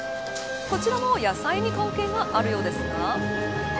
こちらも野菜に関係があるようなんですが。